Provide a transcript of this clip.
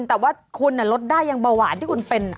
แต่ว่าคุณลดได้ยังเบาหวานที่คุณเป็น